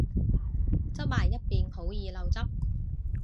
側埋一邊好易漏汁